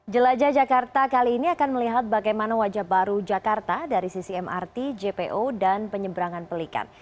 jelajah jakarta kali ini akan melihat bagaimana wajah baru jakarta dari sisi mrt jpo dan penyeberangan pelikan